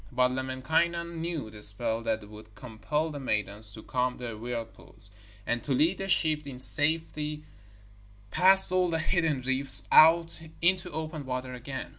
But Lemminkainen knew the spell that would compel the maidens to calm the whirlpools, and to lead the ship in safety past all the hidden reefs out into open water again.